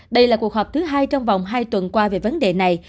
đây là cuộc họp thứ hai trong vòng hai tuần qua về vấn đề này